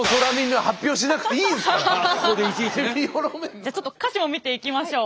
じゃあちょっと歌詞を見ていきましょう。